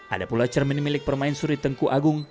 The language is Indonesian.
ada pula cermin milik permain suri tengku agung